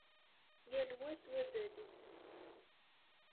Yal wa s wazal-is.